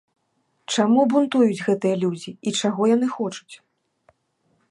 Чаму бунтуюць гэтыя людзі і чаго яны хочуць?